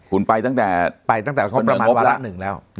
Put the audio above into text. คุณไปตั้งแต่เสนองบแล้วไปตั้งแต่ประมาณวาระหนึ่งแล้ว